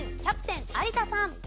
キャプテン有田さん。